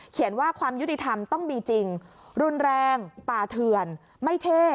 ว่าความยุติธรรมต้องมีจริงรุนแรงป่าเถื่อนไม่เท่